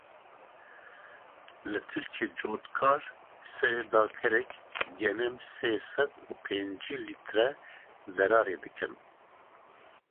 Li Tirkiyeyê cotkar serê dekarek genim sê sed û pêncî lîre zerarê dikin.